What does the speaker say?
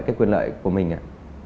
cái quyền lợi của mình ạ